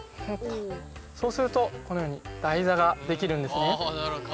そうするとこのように台座が出来るんですね。